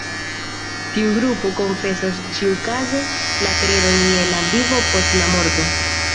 Tiu grupo konfesas ĉiukaze la kredon je la vivo post la morto.